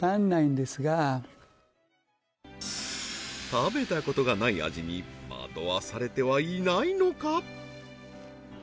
食べたことがない味に惑わされてはいないのか？